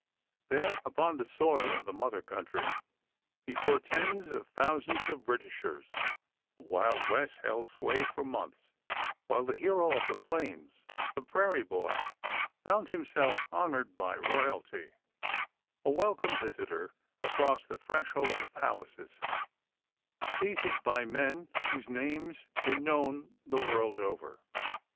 There, upon the soil of the mother country, before tens of thousands of Britishers, the Wild West held sway for months, while the hero of the plains, the prairie boy, found himself honored by royalty, a welcome visitor across the threshold of palaces, fêted by men whose names were known the wide world over.